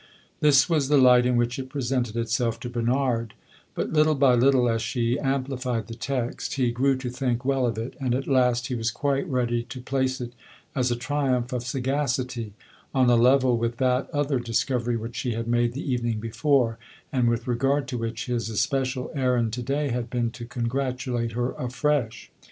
This was the light in which it presented itself to Bernard; but, little by little, as she amplified the text, he grew to think well of it, and at last he was quite ready to place it, as a triumph of sagacity, on a level with that other discovery which she had made the evening before and with regard to which his especial errand to day had been to congratulate her afresh.